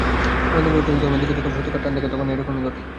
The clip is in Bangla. আনন্দময়ী কহিলেন, ধর্মের দিকে যখন সত্যকার টান না থাকে তখন ঐরকমই ঘটে।